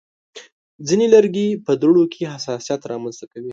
ځینې لرګي په دوړو کې حساسیت رامنځته کوي.